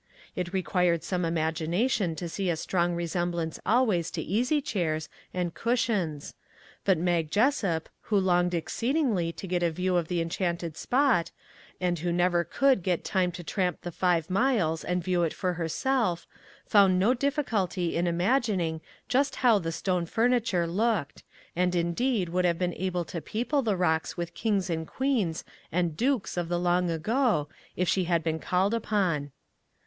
It required some imagination to see a strong resemblance always to easy chairs and " cush ions "; but Mag Jessup, who longed exceed ingly to get a view of the enchanted spot, and who never could get time to tramp the five miles and view it for herself, found no diffi culty in imagining just how the stone furniture looked, and indeed would have been able to peo ple the rocks with kings and queens and dukes of the long ago if she had been called upon.